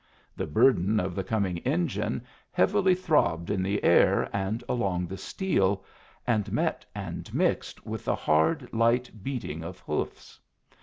The burden of the coming engine heavily throbbed in the air and along the steel, and met and mixed with the hard, light beating of hoofs.